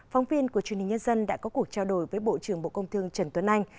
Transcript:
phóng viên của truyền hình nhân dân đã có cuộc trao đổi với bộ trưởng bộ công thương trần tuấn anh